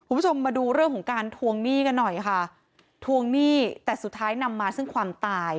คุณผู้ชมมาดูเรื่องของการทวงหนี้กันหน่อยค่ะทวงหนี้แต่สุดท้ายนำมาซึ่งความตาย